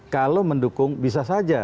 kalau mendukung bisa saja